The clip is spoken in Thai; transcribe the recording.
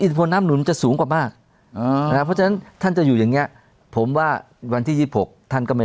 อิทธิพลน้ำหนนมันจะสูงกว่ามากอ่า